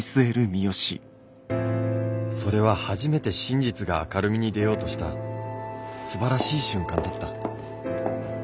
それは初めて真実が明るみに出ようとしたすばらしい瞬間だった。